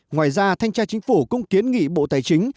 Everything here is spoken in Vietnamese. ngoài ra thanh tra chính phủ cũng kiến nghị bộ tài chính